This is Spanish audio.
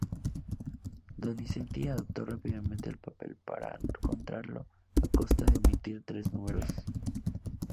Donizetti adaptó rápidamente el papel para contralto a costa de omitir tres números.